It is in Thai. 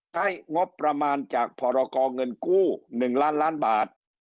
ใช้งบประมาณจากเพรากองเงินกู้๑ล้านบาท